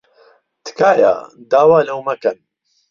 تکایە داوا لەو مەکەن.